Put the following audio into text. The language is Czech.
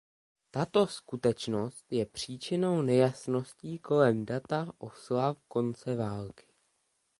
Tato skutečnost je příčinou nejasností kolem data oslav konce války.